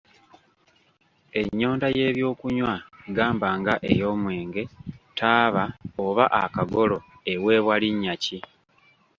Ennyonta y’ebyokunywa gamba nga ey’omwenge, taaba, oba akagolo, eweebwa linnya ki?